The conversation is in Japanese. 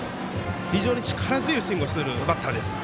非常に力強いスイングをするバッターです。